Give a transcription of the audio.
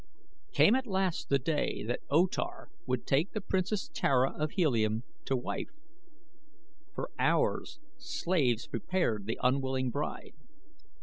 Came at last the day that O Tar would take the Princess Tara of Helium to wife. For hours slaves prepared the unwilling bride.